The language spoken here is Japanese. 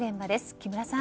木村さん。